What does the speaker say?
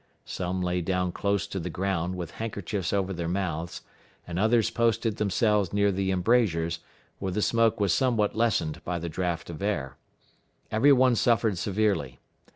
Some lay down close to the ground, with handkerchiefs over their mouths, and others posted themselves near the embrasures, where the smoke was somewhat lessened by the draught of air. Every one suffered severely.